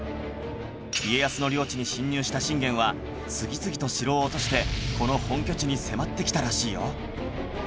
家康の領地に侵入した信玄は次々と城を落としてこの本拠地に迫ってきたらしいよ